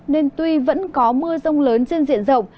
nên tuy vẫn có mưa rông lớn trên diện rộng